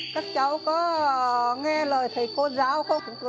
các cháu có nghe lời thầy cô giáo không